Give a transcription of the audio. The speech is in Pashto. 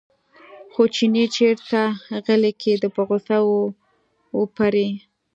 خو چینی چېرته غلی کېده په غوسه و پرې.